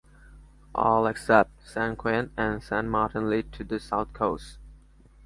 All except St Ouen and St Martin lead to the south coast.